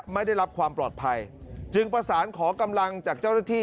ไม่ได้รับความปลอดภัยจึงประสานขอกำลังจากเจ้าหน้าที่